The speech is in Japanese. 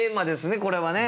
これはね。